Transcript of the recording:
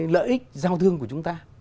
lợi ích giao thương của chúng ta